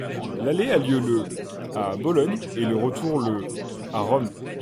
L'aller a lieu le à Bologne et le retour le à Rome.